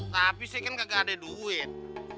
tapi saya kan kagak ada duit